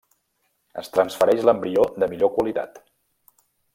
Es transfereix l’embrió de millor qualitat.